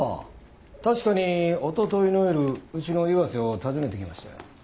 確かにおとといの夜うちの岩瀬を訪ねてきましたよ。